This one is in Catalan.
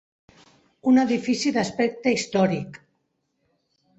Un edifici d'aspecte històric.